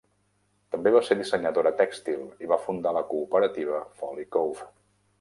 També va ser dissenyadora tèxtil i va fundar la cooperativa Folly Cove.